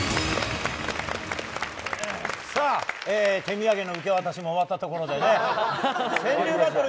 手土産の受け渡しも終わったところで川柳バトル